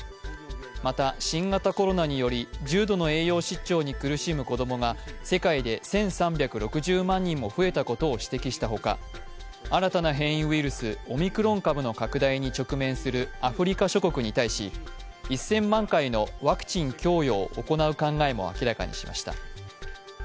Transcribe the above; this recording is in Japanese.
また、新型コロナにより重度の栄養失調に苦しむ子供が世界で１３６０万人も増えたことを指摘した他、新たな変異ウイルス、オミクロン株の拡大に直面するアフリカ諸国に対し１０００万回のワクチン供与を行う考えも明らかにしました。